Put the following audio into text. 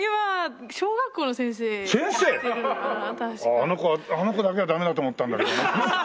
あの子だけはダメだと思ったんだけどね。